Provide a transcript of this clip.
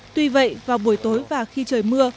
tuy vậy vào buổi tối và khi trời mưa